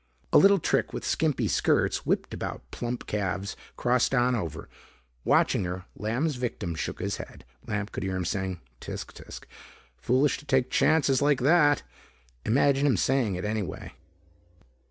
A little trick with skimpy skirts whipped about plump calves crossed on over. Watching her, Lamb's victim shook his head. Lamb could hear him saying: "Tsk! Tsk! Foolish to take chances like that." Imagine him saying it, anyway.